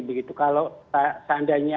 begitu kalau seandainya